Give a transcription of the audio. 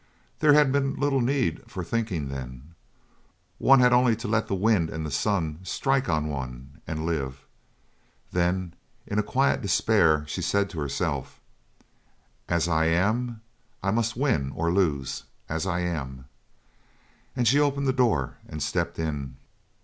There had been little need for thinking then. One had only to let the wind and the sun strike on one, and live. Then, in a quiet despair, she said to herself: "As I am I must win or lose as I am!" and she opened the door and stepped in.